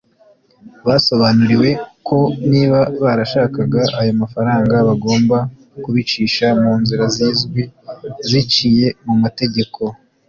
Basobanuriwe ko niba barashakaga ayo mafaranga bagomba kubicisha mu nzira zizwi ziciye mu mategeko